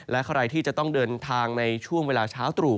และใครที่จะต้องเดินทางในช่วงเวลาเช้าตรู่